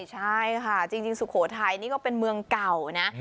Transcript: ใช่ค่ะจริงสุโขทัยนี่ก็เป็นเมืองเก่านะ